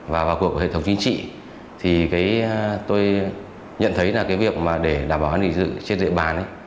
và vào cuộc hệ thống chính trị thì tôi nhận thấy là cái việc để đảm bảo an ninh dự trên dự bán